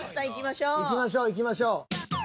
いきましょういきましょう。